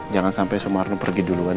jangan sampai sumarno pergi duluan